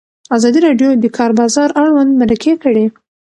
ازادي راډیو د د کار بازار اړوند مرکې کړي.